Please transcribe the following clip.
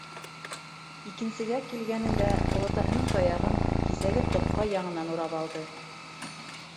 Икенсегә килгәнендә олатаһының таяғын кисәге тоҡҡа яңынан урап алды.